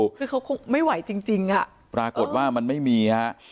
คือเขาคงไม่ไหวจริงจริงอ่ะปรากฏว่ามันไม่มีฮะ